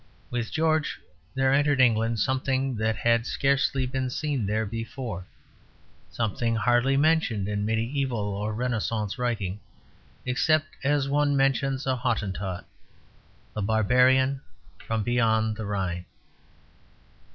With George there entered England something that had scarcely been seen there before; something hardly mentioned in mediæval or Renascence writing, except as one mentions a Hottentot the barbarian from beyond the Rhine.